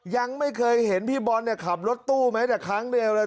ยังไม่เคยเห็นพี่บอลขับรถตู้แม้แต่ครั้งเดียวเลย